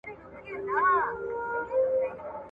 • د زورور له څنگه مه کښېنه زړه وره.